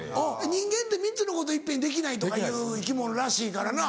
人間って３つのこと一遍にできないとかいう生き物らしいからな。